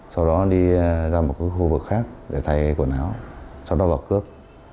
sau đó đi ra một khu vực khác để thay quần áo sau đó vào cướp